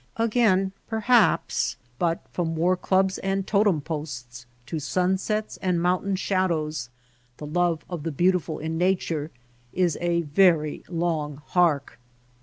Again perhaps ; but from war clubs and totem posts to sunsets and mountain shadows — the love of the beautiful in nature— is a very long hark.